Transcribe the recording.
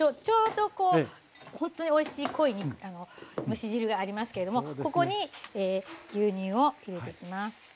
ちょうどこうほんとにおいしい濃い蒸し汁がありますけれどもここに牛乳を入れていきます。